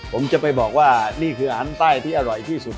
ผมจะไปบอกว่านี่คืออาหารใต้ที่อร่อยที่สุด